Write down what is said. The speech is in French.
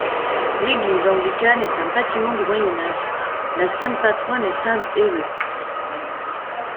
L'église anglicane est un bâtiment du Moyen Âge; la sainte patronne est sainte Ewe.